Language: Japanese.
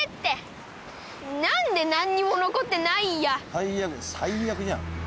最悪最悪じゃん。